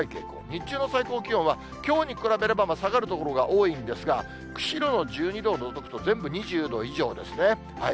日中の最高気温は、きょうに比べれば、下がる所が多いんですが、釧路の１２度を除くと、全部２０度以上ですね。